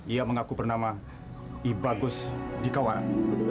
ia mengaku bernama ibagus dikawarang